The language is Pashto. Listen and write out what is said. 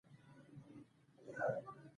ډګروال په جرمني ژبه پوهېده او سګرټ یې کېښود